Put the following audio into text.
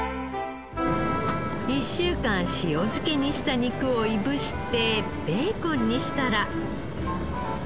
１週間塩漬けにした肉をいぶしてベーコンにしたら。